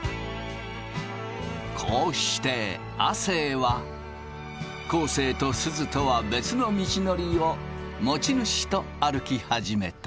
こうして亜生は昴生とすずとは別の道のりを持ち主と歩き始めた。